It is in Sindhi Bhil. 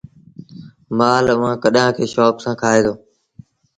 مآل ايٚئآݩ ڪڏآݩ کي شوڪ سآݩ کآئي دو۔